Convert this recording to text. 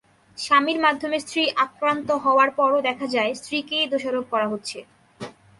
স্বামীর মাধ্যমে স্ত্রী আক্রান্ত হওয়ার পরও দেখা যায়, স্ত্রীকেই দোষারোপ করা হচ্ছে।